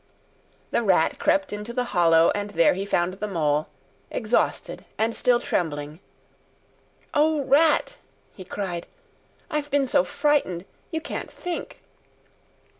The Rat crept into the hollow, and there he found the Mole, exhausted and still trembling. "O Rat!" he cried, "I've been so frightened, you can't think!"